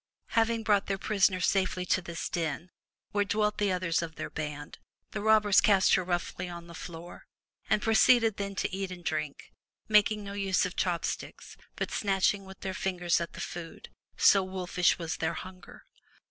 Having brought their prisoner safely to this den, where dwelt the others of their band, the robbers cast her roughly on the floor, and proceeded then to eat and drink, making no use of chop sticks, but snatching with their fingers at the food, so wolfish was their hunger.